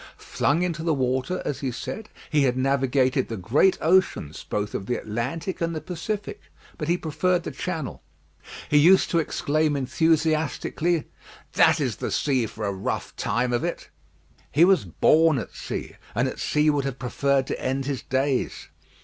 Flung into the water, as he said, he had navigated the great oceans both of the Atlantic and the Pacific, but he preferred the Channel. He used to exclaim enthusiastically, "That is the sea for a rough time of it!" He was born at sea, and at sea would have preferred to end his days.